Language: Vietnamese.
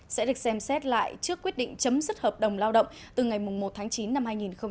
sẽ được xem xét lại trước quyết định chấm dứt hợp đồng lao động từ ngày một tháng chín năm hai nghìn hai mươi